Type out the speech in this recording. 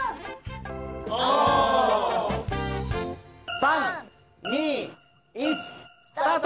３２１スタート！